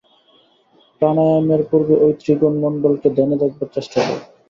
প্রাণায়ামের পূর্বে ঐ ত্রিকোণ-মণ্ডলকে ধ্যানে দেখবার চেষ্টা কর।